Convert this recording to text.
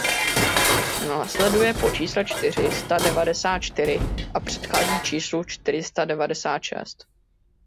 Následuje po čísle čtyři sta devadesát čtyři a předchází číslu čtyři sta devadesát šest.